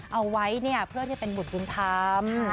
เอาไว้เพื่อที่จะเป็นบุตรบุญธรรม